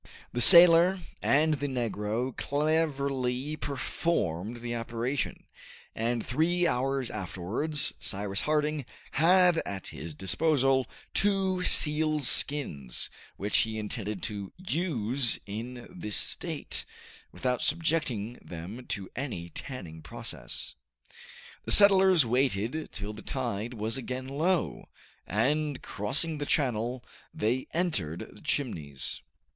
The sailor and the Negro cleverly performed the operation, and three hours afterwards Cyrus Harding had at his disposal two seals' skins, which he intended to use in this state, without subjecting them to any tanning process. The settlers waited till the tide was again low, and crossing the channel they entered the Chimneys.